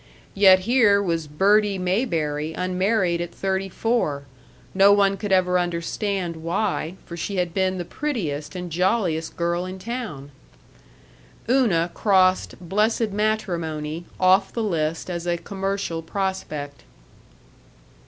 Yet here was Birdie Mayberry unmarried at thirty four, no one could ever understand why, for she had been the prettiest and jolliest girl in town. Una crossed blessed matrimony off the list as a commercial prospect.